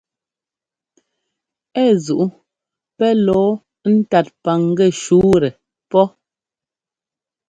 Ɛ zuʼu pɛ́ lɔɔ ńtat paŋgɛ́ shǔtɛ pɔ́.